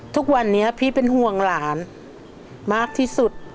ทุกวันนี้พี่เป็นห่วงหลานมากที่สุด